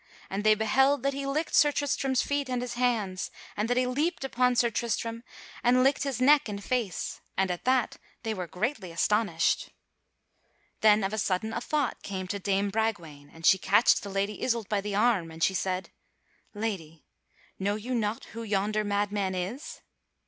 And they beheld that he licked Sir Tristram's feet and his hands, and that he leaped upon Sir Tristram and licked his neck and face, and at that they were greatly astonished. Then of a sudden a thought came to dame Bragwaine, and she catched the Lady Isoult by the arm and she said: "Lady, know you not who yonder madman is?"